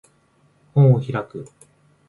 本を開く